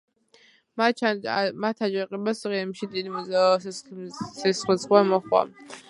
მათ აჯანყებას ყირიმში დიდი სისხლისღვრა მოჰყვა.